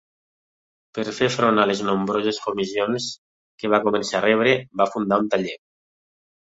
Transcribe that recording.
Per fer front a les nombroses comissions que va començar a rebre, va fundar un taller.